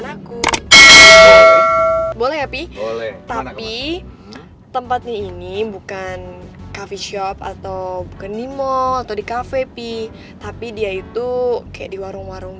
aku boleh tapi tempat ini bukan cafe shop atau ke nimo atau di cafe tapi dia itu kayak di warung warung